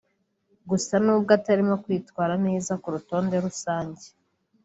Gusa n’ubwo atarimo kwitwara neza ku rutonde rusange